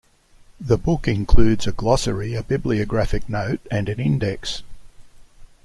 The book includes a glossary, a bibliographic note, and an index.